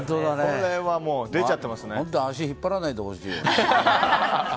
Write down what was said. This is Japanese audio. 本当、足を引っ張らないでほしいよ。